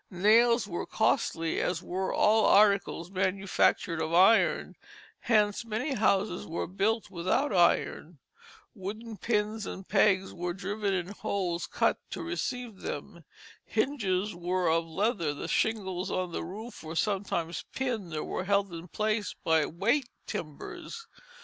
Nails were costly, as were all articles manufactured of iron, hence many houses were built without iron; wooden pins and pegs were driven in holes cut to receive them; hinges were of leather; the shingles on the roof were sometimes pinned, or were held in place by "weight timbers."